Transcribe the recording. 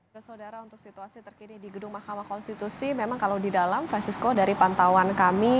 ke saudara untuk situasi terkini di gedung mahkamah konstitusi memang kalau di dalam francisco dari pantauan kami